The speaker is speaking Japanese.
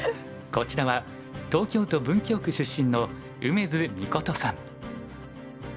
こちらは東京都文京区出身の梅津美琴さん。